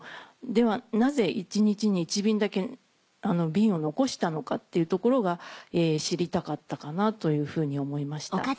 ではなぜ１日に１便だけ便を残したのかっていうところが知りたかったかなというふうに思いました。